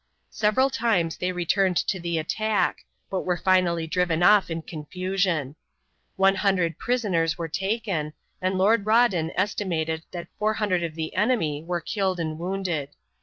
Several times they returned to the attack, but were finally driven off in confusion. One hundred prisoners were taken, and Lord Rawdon estimated that 400 of the enemy were killed and wounded.